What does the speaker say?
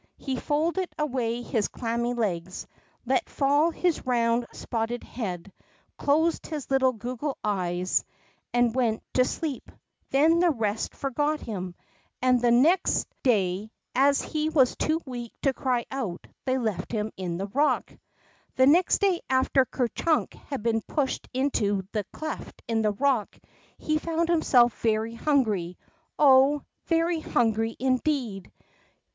He folded away his clammy legs, let fall his round, spotted head, closed his little goggle eyes, and went to sleep. Then the rest forgot him. And the next 14 THE BOCK FROG day, as he was too weak to cry out, they left him in the rock. The next day after Ker Chiink had been pushed into the cleft in the rock, he found himself very hungry, oh, very hungry indeed